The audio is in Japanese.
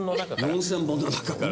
４０００本の中から。